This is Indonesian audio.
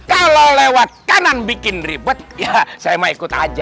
kalau lewat kanan bikin ribet ya saya mau ikut aja